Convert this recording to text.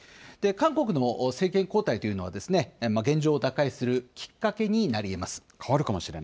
韓国の政権交代というのは現状を打開するきっかけになりえます。